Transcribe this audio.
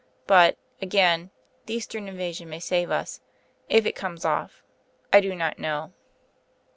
But, again, the Eastern invasion may save us, if it comes off.... I do not know...."